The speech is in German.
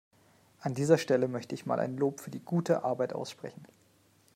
An dieser Stelle möchte ich mal ein Lob für die gute Arbeit aussprechen.